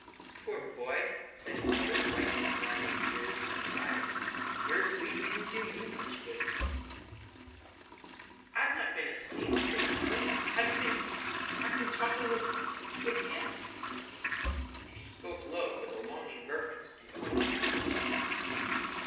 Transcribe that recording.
"Poor boy," said his mother, wiping the blinding tears from his eyes, "your sleep didn't do you much good." "I've not been asleep," said Tommy; "I've been talking with with Him," and he spoke low with a longing reverence and pointed to the Picture.